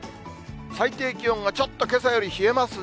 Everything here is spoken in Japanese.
最低気温がちょっとけさより冷えますね。